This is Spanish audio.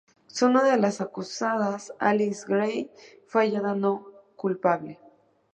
Solo una de las acusadas, Alice Grey, fue hallada no culpable.